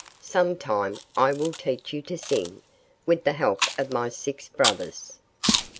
Some time I will teach you to sing with the help of my six brothers."